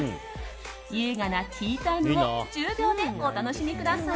優雅なティータイムを１０秒でお楽しみください。